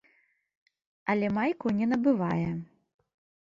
Але майку не набывае.